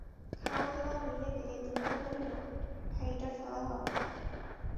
খাওয়া-দাওয়া হইয়া গেলে দুর্গা বলিল, হ্যাঁড়িটা ফেলা হবে না।